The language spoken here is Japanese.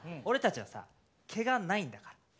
俺たちはさ毛がないんだから。